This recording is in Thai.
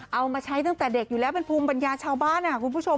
เอามาใช้ตั้งแต่เด็กอยู่แล้วเป็นภูมิปัญญาชาวบ้านคุณผู้ชม